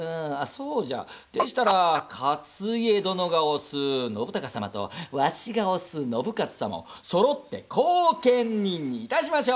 そうじゃでしたら勝家殿が推す信孝様とワシが推す信雄様をそろって後見人にいたしましょう！